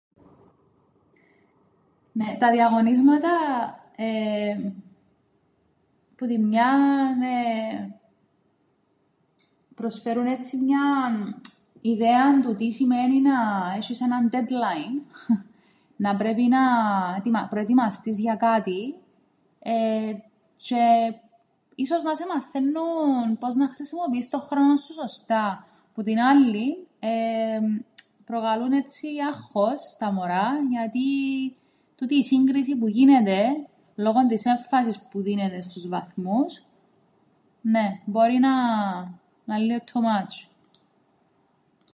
Νναι τα διαγωνίσματα εεεμ που την μιαν εεε προσφέρουν έτσι μιαν ιδέαν του τι σημαίνει να έσ̆εις έναν deadline να πρέπει να ετοιμ- να προετοιμαστείς για κάτι εεε τζ̆αι ίσως να σε μαθαίννουν πώς να χρησιμοποιείς τον χρόνον σου σωστά. Που την άλλην προκαλούν έτσι άγχος στα μωρά γιατί τούτη η σύγκριση που γίνεται λόγον της έμφασης που δίνεται στους βαθμούς νναι μπορεί να 'ν' λλίον too much.